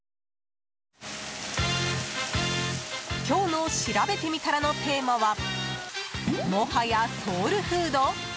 今日のしらべてみたらのテーマはもはやソウルフード？